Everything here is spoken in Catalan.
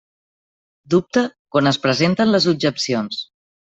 Dubta quan es presenten les objeccions.